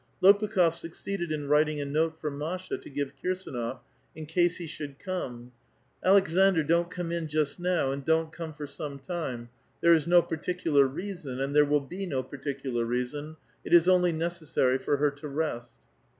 Lopukh6f succeeded in writing a note for Masha to give KirsAnof in case he should come :^^ Aleks andr, don't come in just now, and don't come for some time ; there is no particular reason, and there will be no particular reason ; it is only necessary for her to rest."